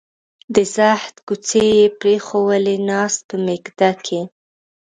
د زهد کوڅې یې پرېښوولې ناست په میکده کې